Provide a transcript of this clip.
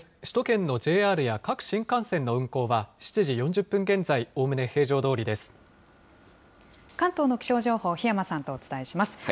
首都圏のＪＲや各新幹線の運行は、７時４０分現在、おおむね平常ど関東の気象情報、檜山さんとお伝えします。